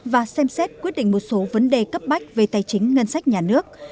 và xem xét quyết định một số vấn đề cấp bách về tài chính ngân sách nhà nước